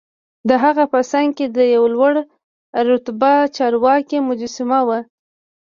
دهغه په څنګ کې د یوه لوړ رتبه چارواکي مجسمه وه.